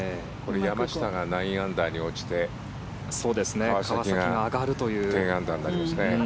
山下が９アンダーに落ちて川崎が１０アンダーになりますね。